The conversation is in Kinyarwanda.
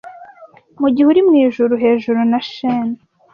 Mugihe uri mwijuru, hejuru na sheen,